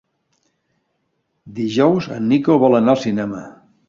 Dijous en Nico vol anar al cinema.